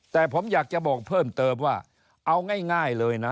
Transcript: แต่ผมอยากจะบอกเพิ่มเติมว่าเอาง่ายเลยนะ